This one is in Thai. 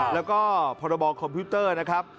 แล้วก็พรบคอมพิวเตอร์นะครับ